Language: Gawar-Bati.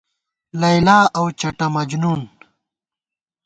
لیلی اؤ چٹہ مجنُون